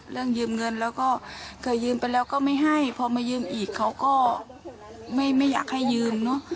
ยืมเงินแล้วก็เคยยืมไปแล้วก็ไม่ให้พอมายืมอีกเขาก็ไม่อยากให้ยืมเนอะ